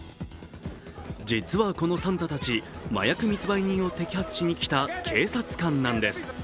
実は、このサンタたち、麻薬密売人を摘発しにきた警察官なんです。